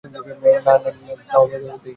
না তাও আমরা দেই না।